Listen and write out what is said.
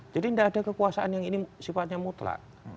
jadi tidak ada kekuasaan yang ini sifatnya mutlak